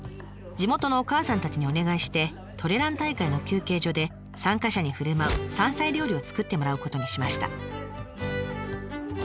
地元のおかあさんたちにお願いしてトレラン大会の休憩所で参加者にふるまう山菜料理を作ってもらうことにしました。